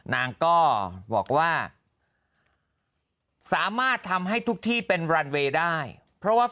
นางก็บอกว่าสามารถทำให้ทุกที่เป็นรันเวย์ได้เพราะว่า